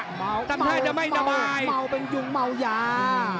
ทำท่าจะไม่จับายเมาเมาเมา